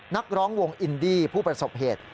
นักร้องวงอินดี้ผู้ประสบเหตุ